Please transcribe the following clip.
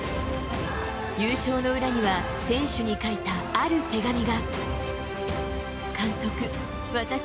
優勝の裏には、選手に書いたある手紙が。